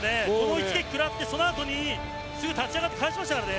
一撃を食らって、そのあとにすぐ立ち上がって返しましたからね。